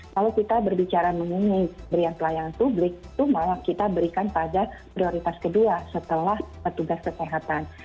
kalau kita berbicara mengenai pemberian pelayanan publik itu malah kita berikan pada prioritas kedua setelah petugas kesehatan